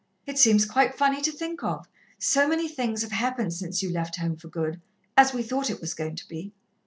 It seems quite funny to think of, so many things have happened since you left home for good as we thought it was going to be.